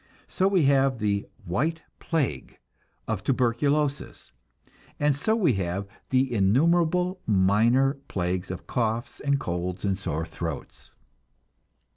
So we have the "white plague" of tuberculosis, and so we have innumerable minor plagues of coughs and colds and sore throats.